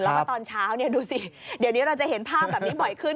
แล้วก็ตอนเช้าดูสิเดี๋ยวนี้เราจะเห็นภาพแบบนี้บ่อยขึ้น